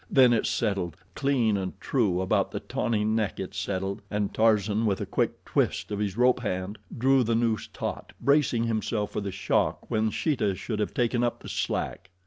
Then it settled clean and true about the tawny neck it settled, and Tarzan, with a quick twist of his rope hand, drew the noose taut, bracing himself for the shock when Sheeta should have taken up the slack.